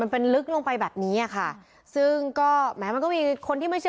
มันเป็นลึกลงไปแบบนี้อ่ะค่ะซึ่งก็แหมมันก็มีคนที่ไม่ใช่